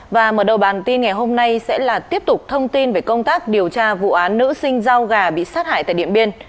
và mở đầu bản tin ngày hôm nay sẽ là tiếp tục thông tin về công tác điều tra vụ án nữ sinh rau gà bị sát hại tại điện biên